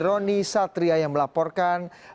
roni satria yang melaporkan